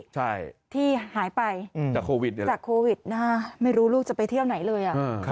ใช่ที่หายไปจากโควิดนะครับไม่รู้ลูกจะไปเที่ยวไหนเลย